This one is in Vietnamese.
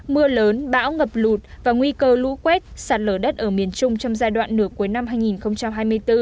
mưa lớn bão ngập lụt và nguy cơ lũ quét sạt lở đất ở miền trung trong giai đoạn nửa cuối năm hai nghìn hai mươi bốn